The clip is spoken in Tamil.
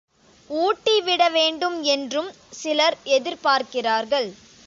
ஊட்டி விடவேண்டும் என்றும் சிலர் எதிர்பார்க்கிறார்கள்.